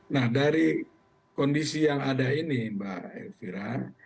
nah dari kondisi yang ada ini mbak elvira